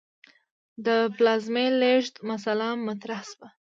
د پلازمې لېږد مسئله مطرح شوه.